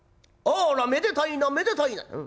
『あらめでたいなめでたいな』」。